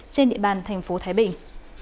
trên địa bàn thành phố thái bình